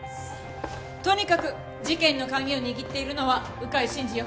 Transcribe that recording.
とにかく事件の鍵を握っているのは鵜飼慎司よ。